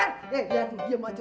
eh diam aja